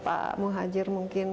pak muhajir mungkin